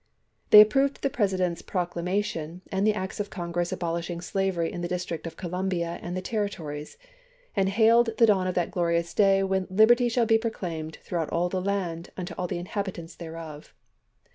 They approved the President's proclama tion and the acts of Congress abolishing slavery in the District of Columbia and the Territories, and hailed the dawn of that glorious day when " liberty shall be proclaimed throughout all the land unto all the inhabitants thereof."